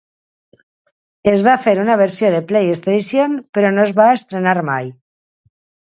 Es va fer una versió de PlayStation, però no es va estrenar mai.